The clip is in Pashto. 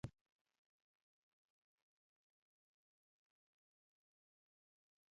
د مالدارۍ د پرمختګ لپاره د تغذیې مناسب برنامه مهمه ده.